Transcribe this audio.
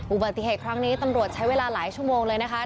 อุบัติเหตุครั้งนี้ตำรวจใช้เวลาหลายชั่วโมงเลยนะคะ